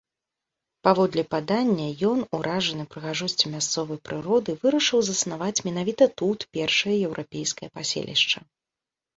Паводле падання, ён, уражаны прыгажосцю мясцовай прыроды, вырашыў заснаваць менавіта тут першае еўрапейскае паселішча.